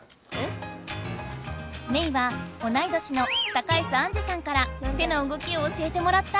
メイは同い年の高江洲杏寿さんから手のうごきを教えてもらった。